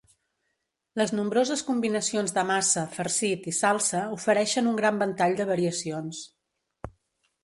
Les nombroses combinacions de massa, farcit i salsa ofereixen un gran ventall de variacions.